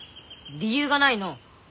理由がないのう。